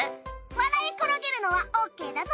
笑い転げるのはオッケーだぞ！